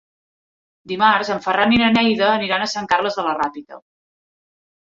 Dimarts en Ferran i na Neida aniran a Sant Carles de la Ràpita.